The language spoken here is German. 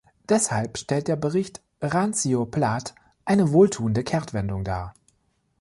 Deshalb stellt der Bericht Randzio-Plath eine wohltuende Kehrtwendung dar.